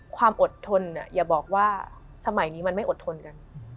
ความอดทนอย่าบอกว่าสมัยนี้มันไม่อดทนกัน